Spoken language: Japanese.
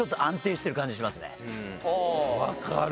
分かる。